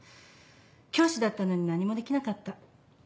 教師だったのに何もできなかった。